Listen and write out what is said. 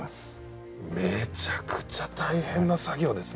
めちゃくちゃ大変な作業ですね。